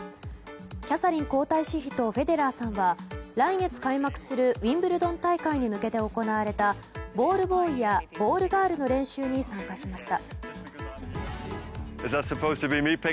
キャサリン皇太子妃とフェデラーさんは来月開幕するウィンブルドン大会に向けて行われたボールボーイやボールガールの練習に参加しました。